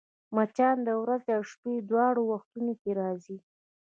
مچان د ورځي او شپې دواړو وختونو کې راځي